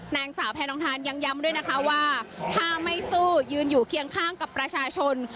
นางสาวแพทองทานยังย้ำด้วยนะคะว่าถ้าไม่สู้ยืนอยู่เคียงข้างกับประชาชน